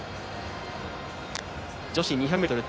女子２００ｍＴ